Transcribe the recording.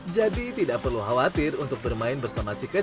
jadi tidak perlu khawatir untuk bermain bersama si kecil di wahana ini